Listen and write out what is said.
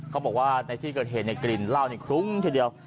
เขาบอกว่าในที่เกิดเหตุในกลิ่นเหล้านี่คลุ้งทีเดียว